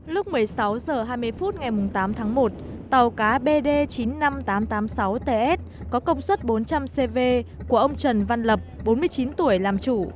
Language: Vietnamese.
lúc một mươi sáu h hai mươi phút ngày tám tháng một tàu cá bd chín mươi năm nghìn tám trăm tám mươi sáu ts có công suất bốn trăm linh cv của ông trần văn lập bốn mươi chín tuổi làm chủ